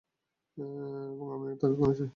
এবং আমি তাকে এক্ষুণি চাই।